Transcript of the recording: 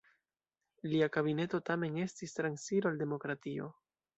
Lia kabineto tamen estis transiro al demokratio.